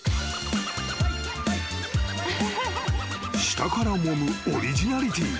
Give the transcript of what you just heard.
［下からもむオリジナリティー］